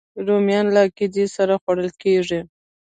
رومیان له عقیدې سره خوړل کېږي